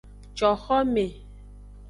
Coxome.